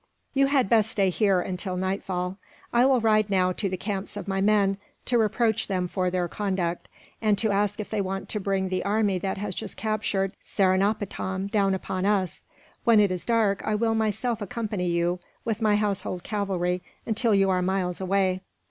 "You had best stay here, until nightfall. I will ride, now, to the camps of my men, to reproach them for their conduct; and to ask if they want to bring the army that has just captured Seringapatam down upon us. When it is dark, I will myself accompany you, with my household cavalry, until you are miles away.